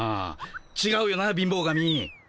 ちがうよな貧乏神。